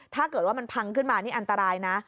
ถ้าเกิดว่ามันพังขึ้นมานี่อันตรายนะ